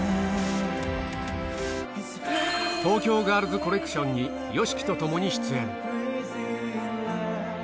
東京ガールズコレクションにＹＯＳＨＩＫＩと共に出演。